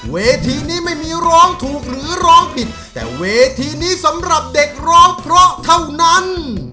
เวทีนี้ไม่มีร้องถูกหรือร้องผิดแต่เวทีนี้สำหรับเด็กร้องเพราะเท่านั้น